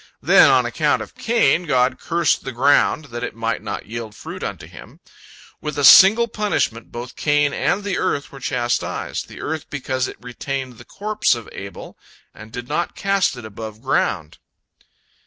Then, on account of Cain, God cursed the ground, that it might not yield fruit unto him. With a single punishment both Cain and the earth were chastised, the earth because it retained the corpse of Abel, and did not cast it above ground.